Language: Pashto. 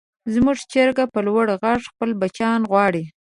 زموږ چرګه په لوړ غږ خپل بچیان غواړي.